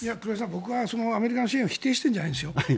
僕はアメリカの支援を否定しているんじゃないですよ。